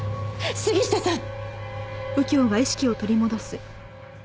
杉下さん！